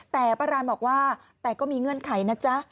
แต่ป้ารานบอกว่าแต่ก็มีเงื่อนไขนะจ๊ะ